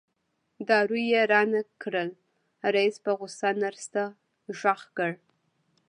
دارو یې رانه کړل رئیس په غوسه نرس ته غږ کړ.